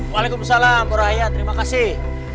waalaikumsalam buruh haya terima kasih